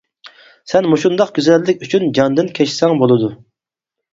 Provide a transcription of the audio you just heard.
سەن مۇشۇنداق گۈزەللىك ئۈچۈن جاندىن كەچسەڭ بولىدۇ.